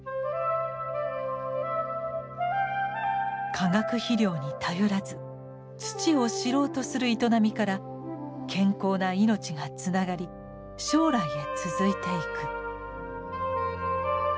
化学肥料に頼らず土を知ろうとする営みから健康な命がつながり将来へ続いていく。